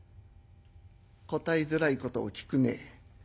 「答えづらいことを聞くね。